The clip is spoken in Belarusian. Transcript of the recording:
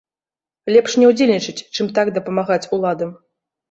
Лепш не ўдзельнічаць, чым так дапамагаць уладам.